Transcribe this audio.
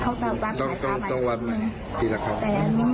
เขาแบบรักษาใหม่นึงแต่นี่น้องจะส่องปีหนึ่งเนี่ยค่ะ